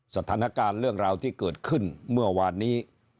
สถานการณ์เรื่องราวที่เกิดขึ้นเมื่อวานนี้